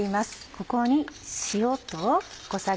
ここに塩と。